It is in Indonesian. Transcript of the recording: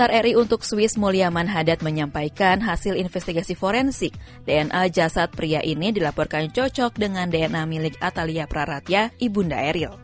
ketadat menyampaikan hasil investigasi forensik dna jasad pria ini dilaporkan cocok dengan dna milik atalia praratya ibunda eril